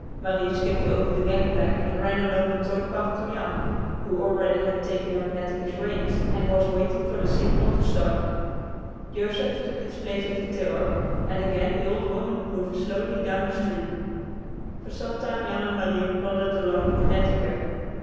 Marie skipped over the gangplank and ran along the tow path to Jan, who already had taken up Netteke's reins and was waiting for the signal to start. Joseph took his place at the tiller, and again the "Old Woman" moved slowly down the stream. For some time Jan and Marie plodded along with Netteke.